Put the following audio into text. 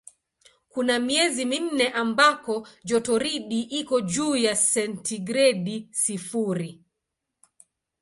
Kuna miezi minne ambako jotoridi iko juu ya sentigredi sifuri.